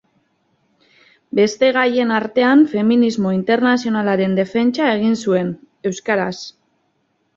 Beste gaien artean feminismo internazionalaren defentsa egin zuen, euskaraz.